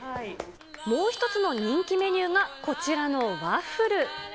もう一つの人気メニューが、こちらのワッフル。